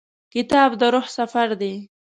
کتاب د روح سفر دی.